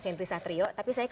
ini menjadi apa ya